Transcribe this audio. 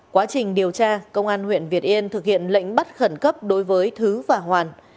quá trình điều tra công an huyện việt yên thực hiện lệnh bắt khẩn cấp đối với thứ và hoàn